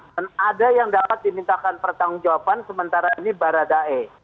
dan ada yang dapat dimintakan pertanggung jawaban sementara ini baradae